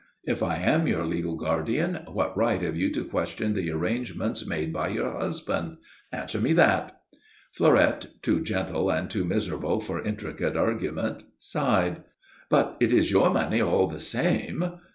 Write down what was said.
If I am your legal guardian, what right have you to question the arrangements made by your husband? Answer me that." Fleurette, too gentle and too miserable for intricate argument, sighed. "But it is your money, all the same."